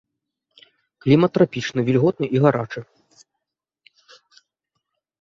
Клімат трапічны, вільготны і гарачы.